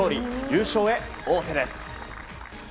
優勝へ王手です。